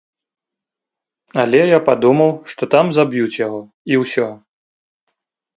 Але я падумаў, што там заб'юць яго, і ўсё.